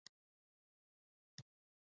غوړې د وینې د غوړ د کمولو لپاره هم ګټورې دي.